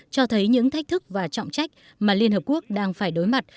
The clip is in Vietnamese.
cho thấy những thách thức và trọng trách mà liên hợp quốc đang phải đối mặt